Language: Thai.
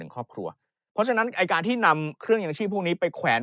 ครอบครัวเพราะฉะนั้นไอ้การที่นำเครื่องยางชีพพวกนี้ไปแขวน